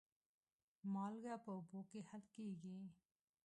مالګه په اوبو کې حل کېږي.